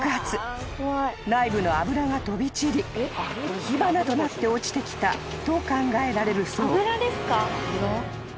［内部の油が飛び散り火花となって落ちてきたと考えられるそう］